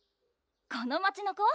この街の子？